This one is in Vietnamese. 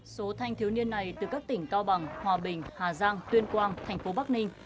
số thanh thiếu niên này từ các tỉnh cao bằng hòa bình hà giang tuyên quang thành phố bắc ninh